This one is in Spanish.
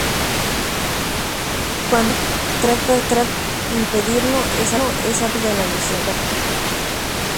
Cuando Khan trata de impedirlo, es apartado de la misión.